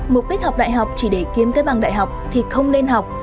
mục đích học đại học chỉ để kiếm cái bằng đại học thì không nên học